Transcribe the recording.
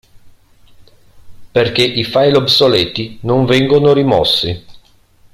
Perché i file obsoleti non vengono rimossi.